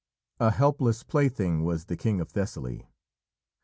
A helpless plaything was the king of Thessaly.